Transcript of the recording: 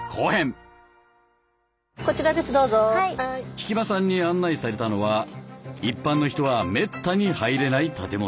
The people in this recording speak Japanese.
引間さんに案内されたのは一般の人はめったに入れない建物。